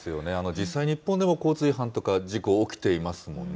実際、日本でも交通違反とか事故、起きていますもんね。